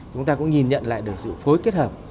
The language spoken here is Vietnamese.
chúng ta cũng nhìn nhận lại được sự phối kết hợp